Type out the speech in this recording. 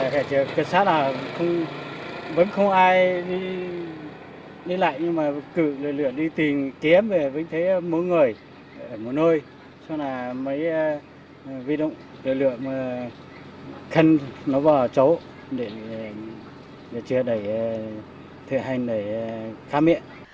cảnh sát vẫn không ai đi lại nhưng mà cự lửa lửa đi tìm kiếm vẫn thấy mỗi người mỗi nơi xong là mấy vi động lửa lửa mà khăn nó vào chấu để chưa đẩy thực hành để khám nghiệm